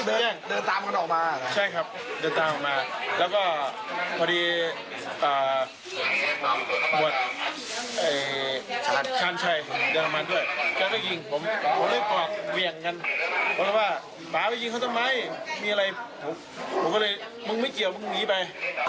บอกว่าตาไปกินเขาทำไมมีอะไรมึงไม่เกี่ยวมึงหนีไป